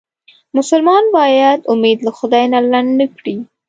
مسلمان باید امید له خدای نه لنډ نه کړي.